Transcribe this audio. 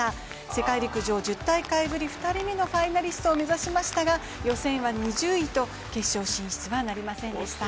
世界陸上１０大会ぶり２人目のファイナリストを目指しましたが予選は２０位と決勝進出はなりませんでした。